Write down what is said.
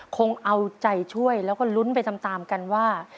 คงเอาใจช่วยแล้วก็ลุ้นไปตามกันว่า